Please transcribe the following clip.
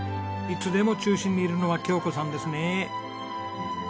いつでも中心にいるのは京子さんですね。